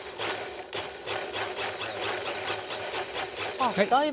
あっだいぶ。